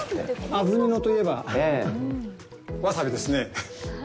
安曇野といえばわさびですね。